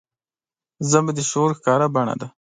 ژبه د شعور ښکاره بڼه ده